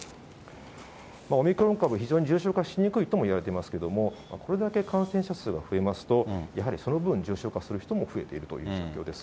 オミクロン株、非常に重症化しにくいともいわれてますけれども、これだけ感染者数が増えますと、やはりその分、重症化する人も増えているという状況です。